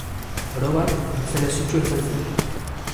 Orobat, mendizale sutsua izan zen.